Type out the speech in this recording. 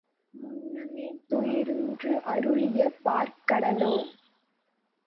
முன்னமே துயின்று அருளிய பாற்கடலோ!